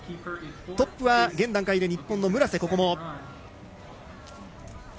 トップは現段階で日本の村瀬心椛。